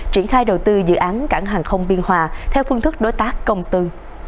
triển khai đầu tư dự án cảng hàng không biên hòa theo phương thức đối tác công tư